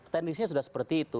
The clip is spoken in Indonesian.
tendisinya sudah seperti itu